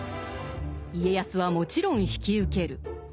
家康はもちろん引き受ける。